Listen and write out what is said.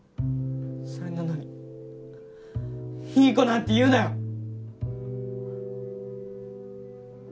それなのにいい子なんて言うなよ！